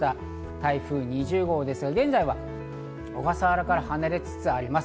台風２０号ですが、現在小笠原から離れつつあります。